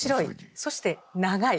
そして長い。